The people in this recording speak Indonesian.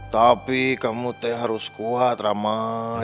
tapi kamu teh harus kuat ramah